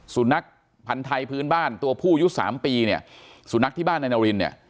สุนัขพันธ์ไทยพื้นบ้านตัวผู้ยุคสามปีเนี่ยสุนัขที่บ้านนายนารินเนี่ย